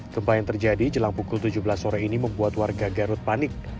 gempa yang terjadi jelang pukul tujuh belas sore ini membuat warga garut panik